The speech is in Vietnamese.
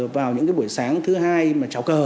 vào những cái buổi sáng thứ hai mà cháu cờ